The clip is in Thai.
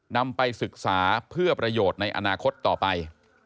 นำไปศึกษาเพื่อประโยชน์ในอนาคตต่อไป